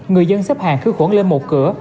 người dân xếp hàng cứ khuẩn lên một cửa